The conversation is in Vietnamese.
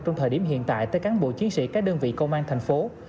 trong thời điểm hiện tại tới cán bộ chiến sĩ các đơn vị công an tp hcm